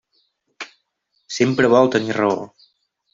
Sempre vol tenir raó.